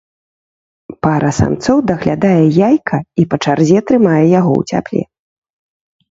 Пара самцоў даглядае яйка і па чарзе трымае яго ў цяпле.